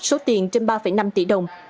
số tiền trên ba năm tỷ đồng